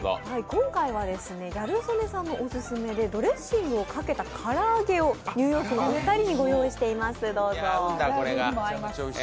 今回はギャル曽根さんのオススメでドレッシングをかけたから揚げをニューヨークのお二人にご用意しています。